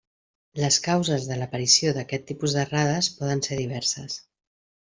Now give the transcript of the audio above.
Les causes de l'aparició d'aquest tipus d'errades poden ser diverses.